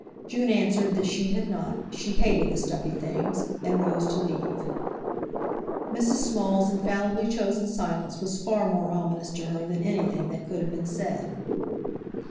June answered that she had not, she hated the stuffy things; and rose to leave. Mrs. Small's infallibly chosen silence was far more ominous to her than anything that could have been said.